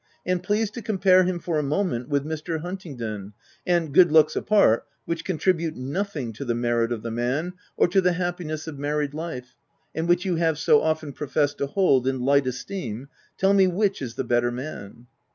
And please to compare him for a moment with Mr. Hunt ingdon, and, good looks apart (which contribute nothing to the merit of the man, or to the hap piness of married life, and which you have so vol i. o 290 THE TENANT often professed to hold in light esteem,) tell me which is the better man."